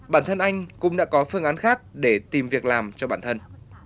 bản thân anh cũng đã có phương án khác để tìm việc làm cho bản thân